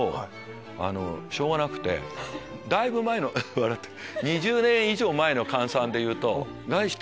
だいぶ前の笑ってる。